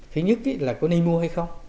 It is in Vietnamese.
thứ nhất là có nên mua hay không